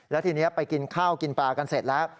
แล้วทีนี้ไปกินข้าวกินปลากันเสร็จแล้ว